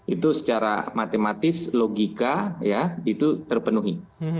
itu secara matematis logika ya itu terpenuhi